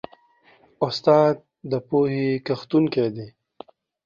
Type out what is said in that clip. استاد د پوهې کښتونکی دی.